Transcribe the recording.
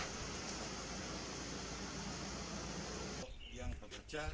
pemakaman jawa tengah